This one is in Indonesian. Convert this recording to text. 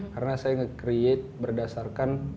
karena saya nge create berdasarkan